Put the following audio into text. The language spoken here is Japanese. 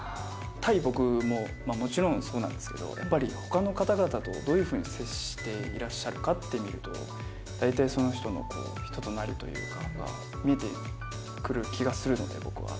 対僕ももちろん、そうなんですけど、やっぱりほかの方々とどういうふうに接していらっしゃるかって見ると、大体その人の人となりというかは、見えてくる気がするので、僕は。